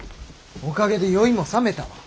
おかげで酔いもさめたわ。